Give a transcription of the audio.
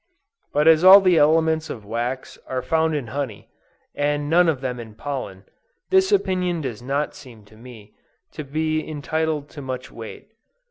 But as all the elements of wax are found in honey, and none of them in pollen, this opinion does not seem to me, to be entitled to much weight.